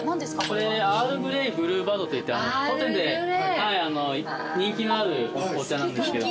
これアールグレイブルーバードといって当店で人気のあるお紅茶なんです。